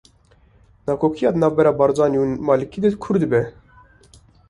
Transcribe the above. Nakokiya di navbera Barzanî û Malikî de kûr dibe